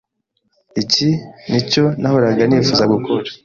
Iki nicyo nahoraga nifuza gukora.